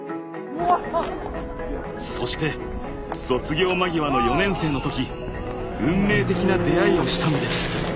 そして卒業間際の４年生の時運命的な出会いをしたのです。